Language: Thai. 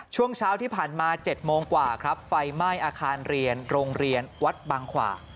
ช่วงเช้าที่ผ่านมา๗โมงกว่าครับไฟไหม้อาคารเรียนโรงเรียนวัดบางขวา